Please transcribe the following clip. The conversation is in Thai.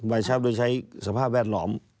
ชับโดยใช้สภาพแวดล้อม